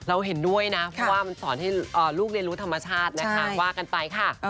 เห็นด้วยนะเพราะว่ามันสอนให้ลูกเรียนรู้ธรรมชาตินะคะว่ากันไปค่ะ